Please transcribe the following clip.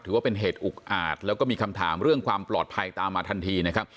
ถือว่าเป็นเหตุอุกอาจแล้วก็มีคำถามเรื่องความปลอดภัยตามมาทันทีนะครับ